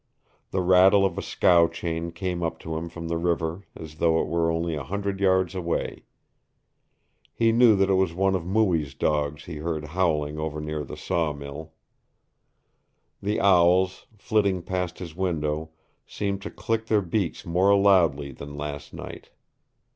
The rattle of a scow chain came up to him from the river as though it were only a hundred yards away. He knew that it was one of Mooie's dogs he heard howling over near the sawmill. The owls, flitting past his window, seemed to click their beaks more loudly than last night.